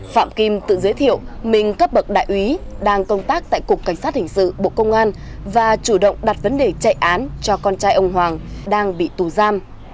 phạm kim tự giới thiệu mình các bậc đại úy đang công tác tại cục cảnh sát hình sự bộ công an và chủ động đặt vấn đề chạy án cho con trai ông hoàng đang bị tù giam